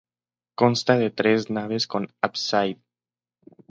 Consta de tres naves con ábside.